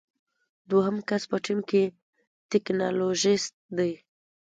دوهم کس په ټیم کې ټیکنالوژیست دی.